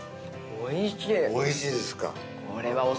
おいしいですか。